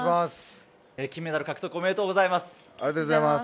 金メダル獲得ありがとうございます。